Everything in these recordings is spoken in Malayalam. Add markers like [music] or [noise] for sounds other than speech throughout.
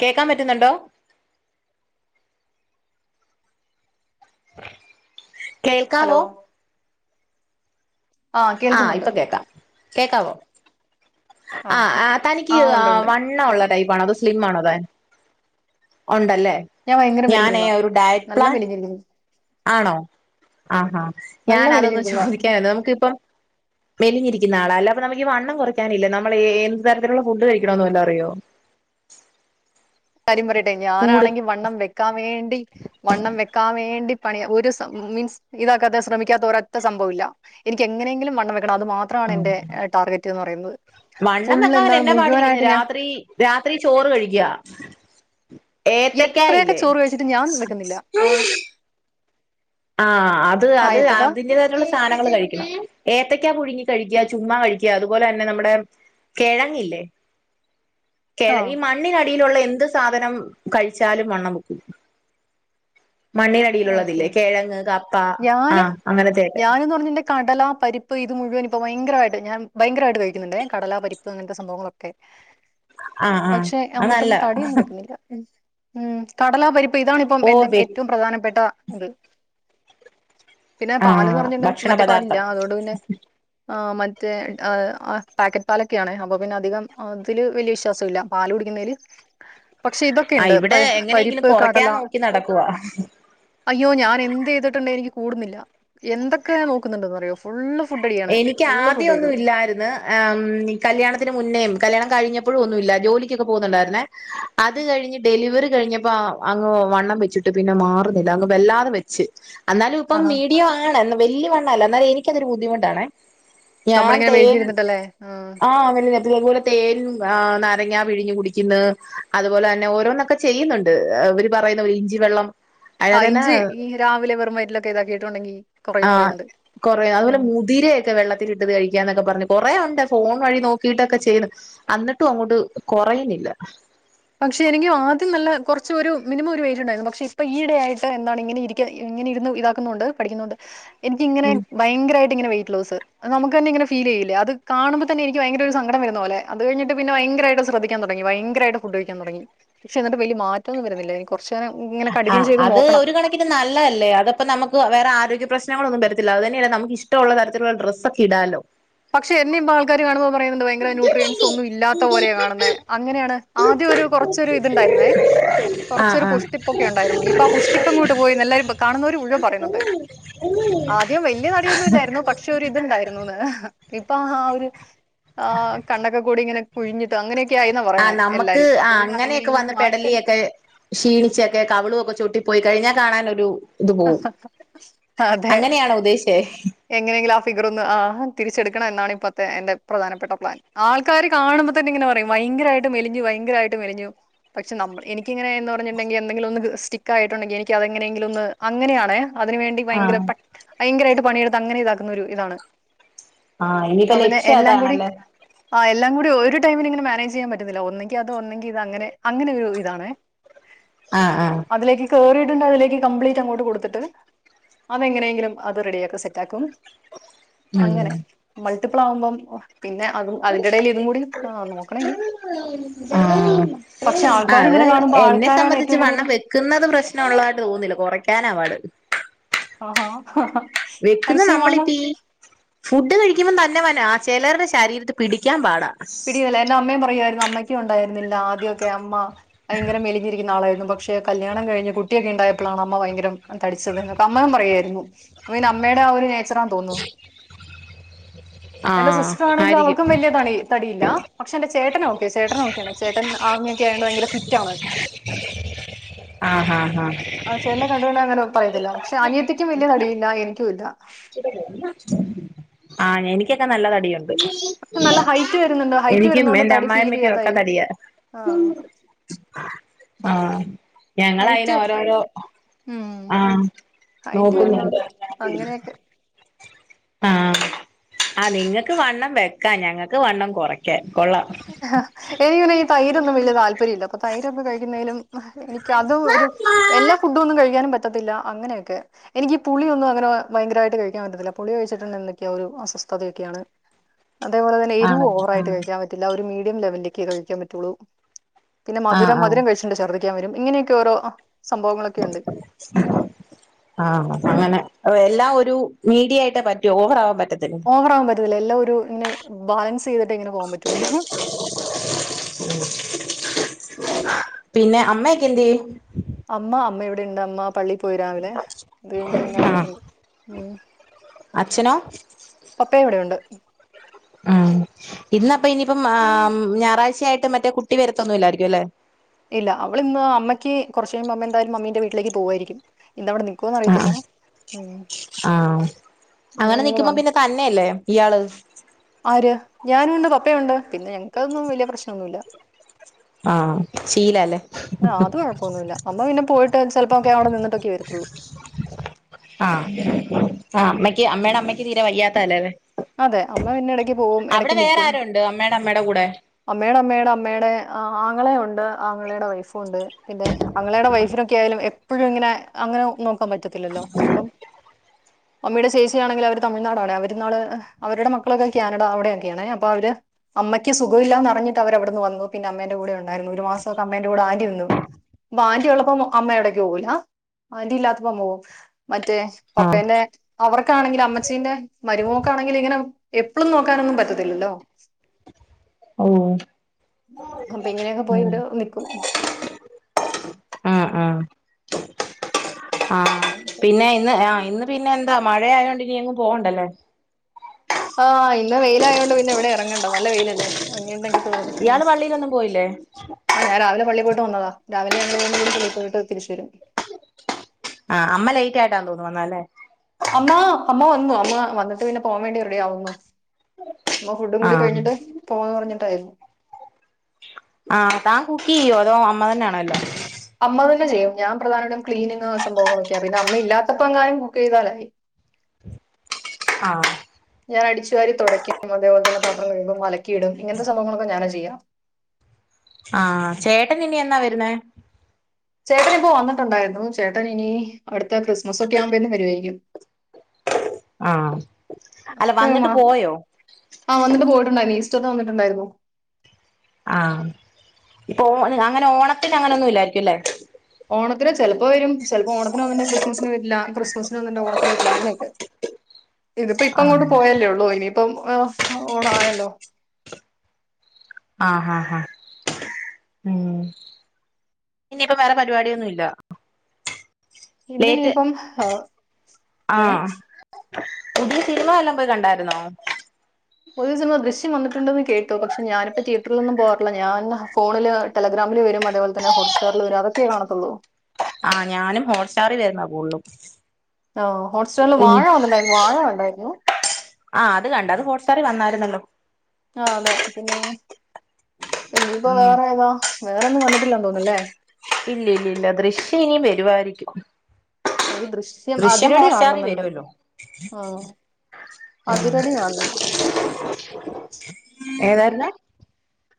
കേക്കാൻ പറ്റുന്നുണ്ടോ? ഹലോ കേൾക്കാവോ? ആഹ് കേൾക്കുന്നുണ്ട്. കേക്കാവോ? ആഹ് ആ ഓക്കെ തനിക്ക് ആഹ് ഉണ്ട് ഉണ്ട് വണ്ണ ഉള്ള കേക്കാം ടൈപ്പ് ആണോ? അതോ സ്ലിം ആണോ താൻ? ഒണ്ടല്ലേ ഞാൻ ഭയങ്കര ഞാനേ മെലിഞ്ഞിരുന്ന ഒരു ഡയറ്റ് നല്ല പ്ലാൻ മെലിഞ്ഞിരിക്കുന്നു ആണോ ആഹാ നല്ല ഞാൻ അതൊന്നും മെലിഞ്ഞിരിക്കുന്ന ചോദിക്കാനായിരുന്നു നമുക്കിപ്പൊ മെലിഞ്ഞിരിക്കുന്ന ആളാ അല്ല അപ്പ നമുക്ക്ഈ വണ്ണം കുറ ക്കാനില്ല നമ്മൾ എന്ത് തരത്തിലുള്ള ഫുഡ് കഴിക്കണോന്ന് വല്ല അറിയോ? കാര്യം പറയട്ടെ കൂടു ഞാനാണെങ്കി വണ്ണം വെക്കാൻ വേണ്ടി വണ്ണം വെക്കാൻ വേണ്ടി പണി ഒരു സ്വ മീൻസ് ഇതാക്കാത്ത ശ്രമിക്കാത്ത ഓരാറ്റ സംഭവില്ല. എനിക്ക്ങ്ങനെങ്കിലും വണ്ണം വെ കണം അത് മാത്രാണ് എൻ്റെ ടാർഗറ്റ് എന്ന് പറയുന്നത്. മണ്ണം ഫുൾ വെക്കാൻ എന്താണ് എന്നാപാടിരിക്കുന്നു. മുഴുവനായിട്ട് ഞാൻ രാത്രി രാത്രി ചോറ് കഴിക്ക എത്രയൊക്കെ ചോറ് കഴിച്ചിട്ട് ഞാൻ വെക്കുന്നില്ല. ആ ആഹ് അത് അത് ഏത്തക്ക അതിന്റെതായിട്ടുള്ള സാധനങ്ങള് കഴിക്കണം. ഏത്തക്കാ പുഴുങ്ങി കഴിക്ക ചുമ്മാ കഴിക്ക അതുപോലെ തന്നെ നമ്മുടെ കെഴങ്ങില്ലേ കേഴ ആഹ് ഈ മണ്ണിന കുട്ടയിലുള്ള എന്ത് സാധനം കഴിച്ചാലും വണ്ണം വെക്കും. മണ്ണിനടിയിലുള്ളള്ളതില്ലേ? ഓക്കെ ഞാന് അങ്ങനത്തെയൊക്കെ ഞനന്ന് പറഞ്ഞടുണ്ടെങ്കി കടലാ പരി ഇപ്പൊ ഇത് മുഴുവൻ ഇപ്പ ഭയങ്കരായിട്ട് ഞാൻ ഭയങ്കരായിട്ട് കഴിക്കുന്നുണ്ടെ കടലാ പരിപ്പ് അങ്ങനത്തെ സംഭവങ്ങളൊക്കെ ആഹ് ആഹ് പക്ഷെ അത് അമ്മാതെ നല്ലതാ തടിയൊന്നും വെക്കുന്നില്ല. ഉം കടലാ പരിപ്പ് ഇതാണ ഇപ്പം ഓ എന്റെ വെ ഏറ്റവും പ്രധാനപ്പെട്ട ഇത്. പിന്നെ പാല്ന്ന് ആഹ് പറഞ്ഞുണ്ടെ ഭക്ഷണ മറ്റേ പദാർത്ഥം പാലില്ലെ അതോണ്ട് പിന്നെ ആ മറ്റേ ആഹ് ആ പാക്കറ്റ് പാലൊക്കെയാണെ. അപ്പൊ പിന്നെ അധികം അതില് വല്യ വിശ്വാസംല്ല. പാല കുടി ക്കണേല്, പക്ഷെ ഇതൊക്കെ ആഹ് ഉണ്ട് ഇവിടെ എങ്ങനെയെങ്കിലും പരിപ്പ്, കടല കുറയ്ക്കാൻ നോക്കി നടക്കുവാ അയ്യോ ഞാൻ എന്ത് ചെയ്തിട്ടുണ്ടെ എനിക്ക് കൂടുന്നില്ല. എന്തൊക്കെ ഞാൻ നോക്കുന്നുണ്ടന്നറിയോ? ഫൂളള് എനിക്ക് ആദ്യോന്നും ഇല്ലാരുന്ന്. കല്യാണത്തിന് മുന്നേ കല്യാണം കഴിഞ്ഞപ്പഴും ഒന്നുമില്ല ജോലിക്കൊക്കെ പോകുന്നുണ്ടായിരുന്ന അത് കഴിഞ്ഞ് ഡെലിവറി കഴിഞ്ഞപ്പോ അങ്ങ് വണ്ണം വെച്ചിട്ട് പിന്നെ മാറുന്നില്ല അങ്ങ് വല്ലാതെ വെച്ച് എന്നാലും ഇപ്പം ആഹാ മീഡിയം ആണ്, വല്യ വണ്ണല്ല, എന്നാലും എനിക്കതൊരു ബുദ്ധിമുട്ടാണേ. ഞാൻ നമ്മളിങ്ങനെ തേൻ മെലിഞ്ഞിരുന്നിട്ടല്ലേ ആ ആഹ് [unintelligible] ഇതേപോലെ തേൻ നാരങ്ങ പിഴിഞ്ഞു കുടിക്കുന്നു, അതുപോലെ തന്നെ ഓരോന്നൊക്കെ ചെയ്യുന്നൊണ്ട്. അവര് പറയുന്ന ഒരു ഇഞ്ചി വെള്ളം അതിനകത്ത് ആഹ് തന്നെ ഇഞ്ച് ഈ രാവിലെ വെറും വയറ്റിലൊക്കെ ഇതാക്കിയിട്ടുണ്ടെങ്കി കുറയൂന്ന് പറയുന്നുണ്ട്. കൊറയും, അതുപോലെ ഉം. മുതിരയൊക്കെ വെള്ളത്തിൽ ഇട്ടത് കഴിക്കാന്നൊക്കെ പറഞ്ഞു കൊറേ ഉണ്ട് ഫോൺ വഴി നോക്കിയിട്ടൊക്കെ ചെയ്യുന്നു എന്നിട്ടും അങ്ങോട്ട് കൊറേ കൊറയുന്നില്ല. പക്ഷെ എനിക്ക് ആദ്യം നല്ല കൊറച്ച് ഒരു മിനിമം ഒരു വെയിറ്റ് ഉണ്ടാരുന്നു, പക്ഷെ ഇപ്പൊ ഈയിടെ ആയിട്ട് എന്താണ് ഇങ്ങനെ ഇരിക്ക ഇങ്ങനെ ഇരുന്ന് ഇതാക്കുന്നോണ്ട് പഠിക്കുന്നോണ്ട് എനിക്കിങ്ങനെ ഭയങ്കരായിട്ട് ഇങ്ങനെ വെയ്റ്റ് ലോസ് അത് നമുക്ക് തന്നെഫീൽ ചെയല്ല അത് കാണുമ്പോ തന്നെ എനി ഭയങ്കര ഒരു സങ്കടം വരുന്ന പോലെ അത് കഴിഞ്ഞിട്ട് പിന്നെ [unintelligible] ഭയങ്കരായിട്ട് ശ്രദ്ധിക്കാൻ തുടങ്ങി, ഭയങ്കരായിട്ട് ഫുഡ് കഴിക്കാൻ തുടങ്ങി, പക്ഷെ എന്നിട്ട് വല്യ മാറ്റൊന്നും വരുന്നില്ല, ഇനി കൊറച് ആഹ് അത് ഒരു കണക്കിന് നല്ലതല്ലേ അതപ്പ നമുക്ക് വേറെ ആരോഗ്യ പ്രശ്നങ്ങളൊന്നും വരത്തില്ല, അത് തന്നെയല്ല നമ്മക്കിഷ്ടൊള്ള തരത്തിലുള്ള ഡ്രസൊക്കെ ഇടാലോ. പക്ഷെ എന്നെയിപ്പോ ആൾക്കാര് കാണുമ്പോ പറയുന്നത് ഭയങ്കര ന്യൂട്രിയൻസ് ഒന്നും ഇല്ലാത്ത പോലെയാണ് കാണുന്നെ അങ്ങനെയാണ് ആദ്യം ഒരു കുറച്ചൊരു ഇതുണ്ടായിരുന്നേ ആഹ് കൊറച്ചൊരു ആഹ് പുഷ്ടിപ്പൊക്കെ ഒണ്ടായിരുന്നു, ഇപ്പൊ ആ പുഷ്ടിപ്പെങ്ങോട്ട് പോയി? എല്ലാരും കാണുന്നവരു മുഴുവൻ പറയുന്നൊണ്ട്. ആദ്യം വല്യ തടിയൊന്നുല്ലാരുന്നു, പക്ഷെ ഒരു ഇതുണ്ടായിരുന്നുന്ന്. ഇപ്പൊ ആ ഒരു ആഹ് കണ്ണൊക്കെ കൂടി ഇങ്ങനെ കുഴിഞ്ഞിട്ട് അങ്ങനെയൊക്കെ ആയിന്നാ പറയണേ ആഹ് നമ്മക്ക് എല്ലാരും. അപ്പൊ ആഹ് പിന്നെ അങ്ങനെയൊക്കെ വന്ന് അതെങ്ങനെയെങ്കിലും മാറ്റിയെടുക്കാൻ പെടലിയൊക്കെ ക്ഷീണിച്ചൊക്കെ കവിളുവൊക്കെ ചൊട്ടി പോയി കഴിഞ്ഞാ കാണാനൊരു ഇത് പോവും അതെ. അങ്ങനെയാണോ ഉദ്ദേശിച്ചേ? എങ്ങനെയെങ്കിലും ആ ഫിഗർ ഒന്ന് ആഹ് തിരിച്ചെടുക്ക് ക്കണം എന്നാണ് ഇപ്പത്തെ എന്റെ പ്രധാനപ്പെട്ട പ്ലാൻ, ആൾക്കാര് കാണുമ്പോ തന്നെ ഇങ്ങനെ പറയും ഭയങ്കരമായിട്ട് മെലിഞ്ഞു ഭയങ്കരമായിട്ട് മെലിഞ്ഞു പക്ഷെ നമ്മള് എനിക്കങ്ങന എന്ന് പറഞ്ഞട്ടുണ്ടെങ്കി എന്തെങ്കിലും ഒന്ന് സ്റ്റിക്ക് ആയിട്ടുണ്ടെങ്കി എനിക്ക് അതെങ്ങെനെങ്കിലും ഒന്ന് അങ്ങ് അങ്ങനെയാണെ അതിന് വേണ്ടി ഭയങ്കര ആഹ് [unintelligible] ഭയങ്കരമായിട്ട് പണിയെടുത്ത് അങ്ങനെ ഇതാക്കുന്ന ഒരു ഇതാണ്. ആഹ് ഇനിയിപ്പ അപ്പോ പിന്നെ ലക്ഷ്യം എല്ലാം കൂടി അതാണല്ലേ ആഹ് എൽ എല്ലാം കൂടി ഒരു ടൈമിന് ഇങ്ങനെ മാനേജ് ചെയ്യാൻ പറ്റുന്നില്ല ഒന്നെങ്കി അത് ഒന്നെങ്കി ഇത് അങ്ങനെ അങ്ങനെ ഒരു ഇതാണെ ആഹ് ആഹ് അതിലേക്ക് കേറി [unintelligible] അതിലേക്ക് കംപ്ലീറ്റ് അങ്ങോട്ട് കൊടുത്തിട്ട് അതെങ്ങനെങ്കിലും അത് റെഡിയാക്കി സെറ്റാക്കും ഉം അങ്ങനെ മൾട്ടിപ്പിൾ ആവുമ്പം [unintelligible] പിന്നെ അതും അതിന്റെ എടയിൽ ഇതും കൂടി ആ നോക്കണെനി ആഹ് ആഹ് അത് കാണുമ്പോ എന്നെ ആൾക്കാരാണ് സംബന്ധിച്ച് ഏറ്റവും വണ്ണം കൂടുതൽ വെക്കുന്നത് പ്രശ്നം ഒള്ളതായിട്ട് തോന്നുന്നില്ല കുറയ്ക്കാനാ പാട് ആഹാ വെക്കുന്ന ഐസി നമ്മളി വണ്ണം തീ ഫുഡ് കഴിക്കുമ്പം തന്നെ വന്നാ ചെലര്ടെ ശരീരത്തി പിടിക്കാൻ പാടാ പിടല്ല എന്റെ അമ്മയും പറയുവാ യിരുന്നു അമ്മയ്ക്കും ഉണ്ടായിരുന്നില്ല ആദ്യമൊക്കെ അമ്മ ഭയങ്കര മെലിഞ്ഞിരിക്കുന്ന ആളായിരുന്നു പക്ഷെ കല്യാണം കഴിഞ്ഞ് കുട്ടിയൊക്കെ ഇണ്ടായപ്പളാണ് അമ്മ ഭയങ്കരം തടിച്ചത് എന്നൊക്കെ അമ്മയും പറയുവായിരുന്നു അത് പിന്നെ അമ്മേടെ ആ ഒരു നേച്ചറാ തോന്നുന്നു എന്റെ ആഹ് സിസ്റ്റർ ആണെങ്കി ആയിരിക്കും അവൾക്കും വല്യ തടി ല്ല പക്ഷെ എന്റെ ചേട്ടന ഓക്കെ ചേട്ടന ഓക്കെയ ചേട്ടൻ ആർമി യൊക്കെ ആയണ്ട് ഭയങ്കര ഫിറ്റ് ആണ് ആഹ് ആഹ് ആഹ് ആ ചേട്ടനെ കണ്ട്ട്ട്ണ്ടെ അങ്ങനെ പറയത്തില്ല പക്ഷെ അനിയത്തിക്കും വെല്യ തടിയില്ല എനിക്കും ഇല്ല ആ എനിക്കൊക്കെ നല്ല തടിയു നല്ല ഹൈറ്റ് വരുന്നുണ്ട് ഹൈറ്റ് എനിക്കും വരുന്നോണ്ട് എന്റെ തടി ഫീൽ അമ്മായമ്മക്കും ഒക്കെ ചെയ്യാതായി തടിയ ആഹ് ആഹ് ഹൈറ്റ് ഞങ്ങളയിന് ഓരോരോ ഉം ആഹ് ഹൈറ്റ് നോക്കുന്നു വരുന്നോണ്ട് അങ്ങനെയൊക്കെ ആ ആ നിങ്ങക്ക് വണ്ണം വെക്കാ ഞങ്ങൾക്ക് വണ്ണം കുറയ്ക്കാൻ എനിക്ക് ഈ തൈരൊന്നും വലിയ താല്പര്യം ഇല്ല അപ്പ തൈരൊന്നും കഴിക്കുന്നേനും എനിക്ക് അതും ഒരു എല്ലാ ഫുഡും ഒന്നും കഴിക്കാനും പ റ്റത്തില്ല. അങ്ങനെയൊക്കെ. എനിക്ക് പുളിയൊന്നും അങ്ങന ഭയങ്കരമായിട്ട് കഴിക്കാൻ പറ്റത്തില്ല പുളി കഴിച്ചിട്ടെന്നെ എന്തൊക്കെയൊ ഒരസ്വ സ്ഥതയൊക്കെയാണ് അതേപോലെ തന്നെ എരിവും ആണല്ലേ ഓവറായിട്ട് ആഹ് കഴിക്കാൻ പറ്റില്ല ഒരു മീഡിയം ലെവലിലൊക്കെ കഴിക്കാൻ പറ്റുള്ളൂ പിന്നെ ആഹ് മധുരം ആഹ് മധുരം കഴിച്ചിട്ടുണ്ടെ ശർദിക്കാൻ വരും ഇങ്ങനെയൊക്കെ ഓരോ സംഭവങ്ങളൊക്കെ ഉണ്ട് ആഹ് അങ്ങനെ. എല്ലാം ഒ രു മീഡിയായ്ട്ടേ പറ്റൂ ഓവറാവാൻ പറ്റ് ഓവറാവാൻ പറ്റത്തില്ല എല്ലാം ഒരു ഇങ്ങനെ ബാലൻസ് ചെയ്തിട്ടെ ഇങ്ങനെ പോവാൻ പറ്റുള്ളു പിന്നെ അമ്മയൊക്കെ എന്ത്യേ അമ്മ അമ്മ ഇവിടെണ്ട്. അമ്മ പള്ളി പോയി രാവിലെ. അത് കഴിഞ്ഞിട്ട് പിന്നെ വന്നിട്ടുണ്ട്. ഉം അച്ഛനോ പപ്പയു ഇവിടെയുണ്ട് ആഹ് ഇന്നപ്പം ഇനിയിപ്പം ആ ഞായറാഴ്ചയായിട്ട് മറ്റേ കുട്ടി വരത്തൊന്നു ഇല്ലായിരിക്കും അല്ലെ ഇല്ല അവളിന്ന് അമ്മയ്ക്ക് കുറച്ച് കഴിയുമ്പോ അമ്മ എന്തായാലും മമ്മീന്റെ വീട്ടിലേക്ക് പോവായിരിക്കും ഇന്നവിടെ നിക്കുവോന്ന് ആഹ് അറിയത്തില്ല ഉം ആഹ് അമ്മ അങ്ങനെ എന്നോട് നിക്കുമ്പോ പറഞ്ഞു പിന്നെ തന്നെയല്ലേ ഇയാള് ആര് ഞാനുംണ്ട് പപ്പയുണ്ട് പിന്നെ ഞങ്ങക്കതൊന്നും വലിയ പ്രശ്നം ഒന്നുല്ല ശീലല്ലേ ആ അത് കുഴപ്പമൊന്നുല്ല. മമ്മ പിന്നെ പോയിട്ട് ചിലപ്പോക്കെ അവിടെ നിന്നിട്ടക്കെ വരത്തുള്ളൂ ആ ആ അമ്മയ്ക്ക് അമ്മയുടെ അമ്മയ്ക്ക് തീരെ വയ്യാത്തല്ലേ അതെ അമ്മ പിന്നെ ഇടക്ക് പോവും. അവിടെ ഇടക്ക്. വേറെ ആരുണ്ട് അമ്മയുടെ അമ്മയുടെ കൂടെ അമ്മയുടെ അമ്മയെ ടെ അമ്മയുടെ ആങ്ങളെയും ഉണ്ട് ആങ്ങളുടെ വൈഫും ഉണ്ട് പിന്നെ ആങ്ങളെടെ വൈഫിനൊക്കെ ആയാലും എപ്പഴും ഇങ്ങനെ അങ്ങനൊ [unintelligible] പറ്റത്തില്ലല്ലോ അപ്പം മമ്മിടെ ചേച്ചിയാണെങ്കിൽ അവര് തമിഴ്നാടാണെ. അവര് നാളെ അവരുടെ മക്കളൊക്കെ കാനഡ അവിടെയൊക്കെയാണെ ആ അപ്പൊ അവര് അമ്മയ്ക്ക് സുഖമില്ലാന്ന് അറിഞ്ഞിട്ട് അവരവിടെ നിന്ന് വന്നു പിന്ന അമ്മെ ൻ്റെ കൂടെ ഉണ്ടായിരുന്നു ഒരു മാസം ഒക്കെ അമ്മന്റെ കടെ ആൻ്റിരുന്നു വാൻണ്ടി ഉള്ളപ്പോ അമ്മയവിടേക്ക് പോകൂല ആൻ്റി ഇല്ലാത്തപ്പോ പോവും മറ്റേ ആഹ് പപ്പേന്റെ അവർക്കാണെങ്കിൽ അമ്മച്ചീന്റെ മരുമോ ഇങ്ങനെ എപ്പളും നോക്കാനൊന്നും പറ്റത്തില്ലല്ലോ ഓഹ് അപ്പൊ ഇങ്ങനെയൊക്കെ പോയി ഉം അവര് നിക്കും ആഹ് ആഹ് ആഹ് പിന്നെ ഇന്ന് ആ ഇന്ന് പിന്നെ എന്താ മഴയായോണ്ട് ഇനി എങ്ങും പോവണ്ടല്ലേ ആഹ് ഇന്ന് വെയിലായോണ്ട് പിന്നെ ഇവിടെ ഇറങ്ങണ്ട നല്ല വെയിലല്ലേ ഇറങ്ങീണ്ടെങ്കി ഇയാള് പള്ളിയിലൊന്നും പോയില്ലേ ആഹ് ഞാൻ രാവിലെ പള്ളിൽ പോയിട്ട് വന്നതാ രാവിലെ ഞങ്ങള് മൂന്നും കൂടി പള്ളിപ്പോയിട്ട് തിരിച്ച് വരും ആഹ് അമ്മ ലൈറ്റ് ആയിട്ടായ്ട്ടാ തോന്നുന്നു വന്ന ല്ലേ അമ്മ അമ്മ വന്നു അമ്മ വന്നിട്ട് പിന്നെ പോവാൻ വേണ്ടി റെഡിയാവുന്നു അമ്മ ഫുഡും കൂടി ആഹ് കഴിഞ്ഞിട്ട് പോവാന്ന് പറഞ്ഞിട്ടായിരുന്നു ആഹ് താൻ കുക്ക് ചെയ്യോ അതോ അമ്മ തന്നാണോ എല്ലം അമ്മ തന്നെ ചെയ്യും. ഞാൻ പ്രധാനായ്ട്ടും ക്ലീനിങ് സംഭവങ്ങളൊക്കയാ പിന്നെ അമ്മ ഇല്ലാത്തപ്പോ എങ്ങാനും കുക്ക് ചെയ്താലായി ആഹ് ഞ അടിച്ചുവാരി തുടക്കും അതേപോലെ തന്നെ പാത്രം കഴുകും അലക്കിയിടും ഇങ്ങനത്തെ സംഭവങ്ങളൊക്കെ ഞാനാ ചെയ്യാ ആഹ് ചേട്ടൻ ഇനി എന്നാ വരുന്നേ ചേട്ടൻ ഇപ്പോ വന്നിട്ടുണ്ടായിരുന്നു ചേട്ടനിപ്പോ വന്നിട്ടുണ്ടായിരുന്നു ചേട്ടൻ ഇനി അടുത്ത ക്രിസ്മസ് ഒക്കെ ആവുമ്പേന്ന് വരു ആയിരിക്കും [unintelligible] ആഹ് അല്ല വന്നിട്ട് പോയോ ആ വന്നിട്ട് പോയിട്ടുണ്ടായിന്ന് ഈ സ്‌റ്ററിന് വന്നിട്ടുണ്ടായിരുന്നു ആഹ് ഇപ്പൊ ഓ അങ്ങനെ ഓണത്തിന് അങ്ങനൊന്നും ഇല്ലായിരിക്കുംല്ലേ ഓണത്തിന് ചെലപ്പോ വരും ചെലപ്പോ ഓണത്തിന് വന്നിണ്ട് ക്രിസ്മസിന് വരില്ല ക്രിസ്മസിന് വന്നിണ്ട് ഓണത്തിന് വരില്ല അങ്ങെനൊക്കെ [unintelligible] ഇതിപ്പോ ഇപ്പ അങ്ങോട്ട് പോയല്ലേള്ളൂ ഇനിയിപ്പം എ് ഓണായല്ലോ ആഹ് ആഹ് ആഹ് ഉം ഇനിയിപ്പ വേറെ പരിപാടിയൊന്നുല്ല ഇന്നിനിപ്പം അ് ഏ ആഹ് പുതിയ സിനിമ വല്ലോം പോയി കണ്ടായിരുന്നോ ട്ട്ണ്ടന്ന് കേട്ടു പക്ഷേ ഞാനിപ്പ തീയറ്ററിലൊന്നും പോവാറില്ല ഞാൻ ഫോണില് ടെലഗ്രാമില് വരും അ ആഹ് ഞാനും ഹോട്ട്സ്റ്റാറിൽ വരുന്ന കൂടലും ഓ ഹോട്ട്സ്റ്റാറില് വാഴ വന്നിണ്ടായിരുന്നു വാഴ കണ്ടായിരുന്നു ആഹ് അത് കണ്ട അത് ഹോട്ടസ്റ്റാറി വന്നായിരുന്നല്ലോ ആഹ് അതെ പിന്നെ ഇനിപ്പോ ഉം വേറേതാ വേറൊന്നും വന്നിട്ടില്ല തോന്നുന്നല്ലേ ഇല്ല ഇല്ല ഇല്ല ദൃശ്യം ഇനി വരുവായിരിക്കും ഈ ദൃശ്യം അതിരടി ഹോട്ട്സ്റ്റാറിൽ കാണുന്നുണ്ട് വരുവല്ലോ ആ ഉം അതിരടി കാണുന്നു ഏതായിരുന്ന്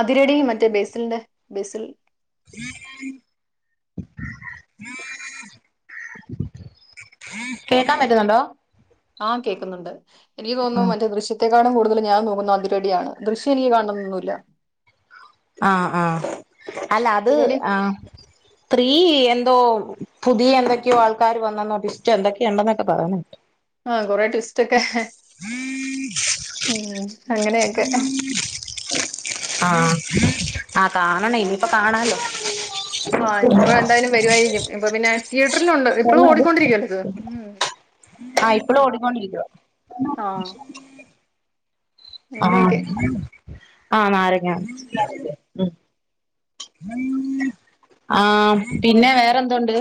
അതിരടി മറ്റേ ബേസിലിന്റെ ബേസിൽ [unintelligible] കേക്കാൻ പറ്റുന്നുണ്ടോ? ആഹ് കേക്കുന്നുണ്ട് എനിക്ക് തോന്നുന്നു ഉം മറ്റെ ദൃശ്യ ത്തെക്കാളും കൂടുതൽ ഞാൻ നോക്കുന്ന അതിരടിയാണ് ദൃശ്യം എനിക്ക് കാണണംന്നൊന്നുല്ല. ആഹ് ആഹ് അല്ല അത് അതിരടി ആഹ് ത്രീ യെന്തോ പുതിയ എന്തൊക്കെയോ ആൾക്കാര് വന്നെന്നോ ട്വിസ്റ്റ് എന്തൊക്കെയോ ഉണ്ടെന്നൊക്കെ പറയന്ന് കേട്ടു. ആഹ് കൊറെ ട്വിസ്റ്റൊക്കെ ഉം അങ്ങനെയക്കെ ആഹ് ആഹ് കാണണേ ഇനിപ്പ കാണാല്ലോ. ആഹ് ഇനിപ്പോ എന്തായാലും വരു ആയിരിക്കും ഇപ്പൊ പിന്നെ തിയേറ്ററിലുണ്ട് ഇപ്പഴും ഓടിക്കൊണ്ടിരിക്കുവല്ലേ ഇത് ഉം. ആഹ് ഇപ്പളും ഓടിക്കൊണ്ടിരിക്കുവ. ആഹ് ആഹ് അങ്ങനെയൊക്കെ ആഹ് നാരങ്ങാ ഉം ആഹ് പിന്നെ വേറെന്തുണ്ട്?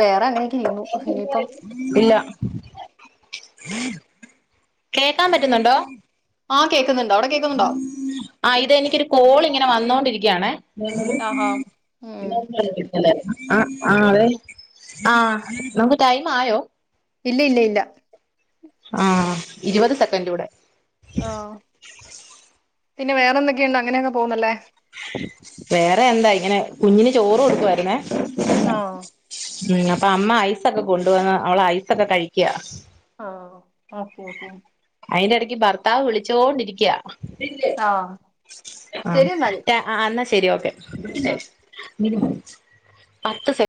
വേറെങ്ങനെ ഇല്ല. കേക്കാൻ പറ്റുന്നുണ്ടോ? ആഹ് കേക്കുന്നുണ്ടോ അവിടെ കേക്കുന്നുണ്ടോ ആ ഇത് എനിക്കൊരു കോൾ ഇങ്ങനെ വന്നോണ്ടിരിക്കാണെ ആഹാ ഉം [unintelligible] ആ ആ അതെ ആഹ് നമുക്ക് ടൈം ആയോ? ഇല്ല ഇല്ല ഇല്ല. ആ ഇരുപത് സെക്കൻഡൂടെ ആഹ് പിന്നെ വേറെന്തൊക്കെയുണ്ട് അങ്ങനെ അങ് പോവുന്നല്ലേ. വേറെ എന്താ ഇങ്ങനെ കുഞ്ഞിന് ചോറൊടുക്കുയിരുന്നേ. ആഹ് ഉം അപ്പൊ അമ്മ ഐസൊക്കെ കൊണ്ടുവന്ന് അവള ഐസൊക്കെ കഴിക്ക. ആ ഓക്കെ ഓക്കെ. അയിന്റെ ഇടയ്ക്ക് ഭർത്താവ് വിളിച്ചോണ്ടിരിക്ക. ആഹ് ആ ശരി എന്നാല് ൻ്റ ആന്ന ശ ശരി ഓക്കെ ആ [unintelligible] പത്ത് സെ